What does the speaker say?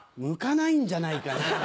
むかないんじゃないかな。